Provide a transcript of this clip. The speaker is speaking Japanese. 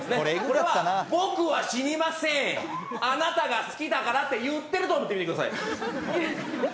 これは、僕は死にませんあなたが好きだからって言ってると思ってみてください。